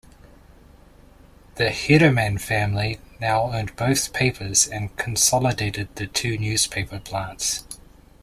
The Hederman family now owned both papers and consolidated the two newspaper plants.